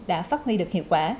đã phát huy được hiệu quả